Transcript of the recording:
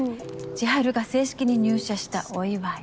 千晴が正式に入社したお祝い。